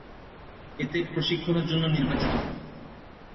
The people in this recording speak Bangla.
এতে প্রশিক্ষণের জন্য নির্বাচিত হন।